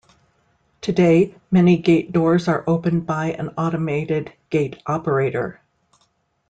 Today, many gate doors are opened by an automated gate operator.